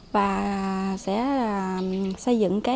và sẽ xây dựng